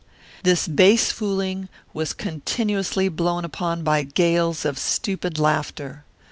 This base fooling was continuously blown upon by gales of stupid laughter.